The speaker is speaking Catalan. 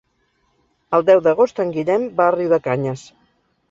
El deu d'agost en Guillem va a Riudecanyes.